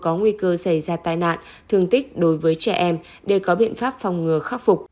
có nguy cơ xảy ra tai nạn thương tích đối với trẻ em để có biện pháp phòng ngừa khắc phục